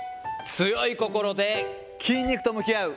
強い心で筋肉と向き合う。